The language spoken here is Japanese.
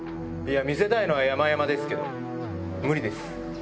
見せたいのはやまやまですけど無理です。